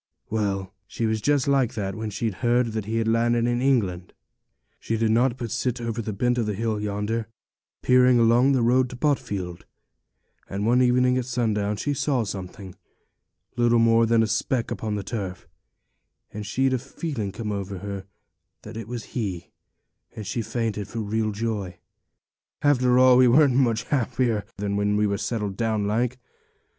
Well, she was just like that when she'd heard that he was landed in England; she did nought but sit over the bent of the hill yonder, peering along the road to Botfield; and one evening at sundown she saw something, little more than a speck upon the turf, and she'd a feeling come over her that it was he, and she fainted for real joy. After all, we weren't much happier when we were settled down like.